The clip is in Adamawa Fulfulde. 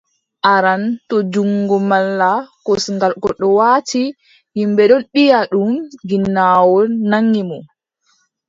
Aran, to junngo malla kosngal goɗɗo waati, yimɓe ɗon mbiʼa ɗum ginnawol nanngi mo.